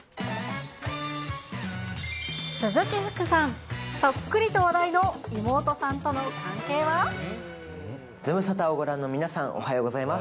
鈴木福さん、そっくりと話題ズムサタをご覧の皆さん、おはようございます。